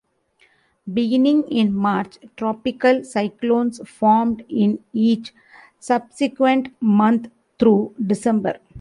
Beginning in March, tropical cyclones formed in each subsequent month through December.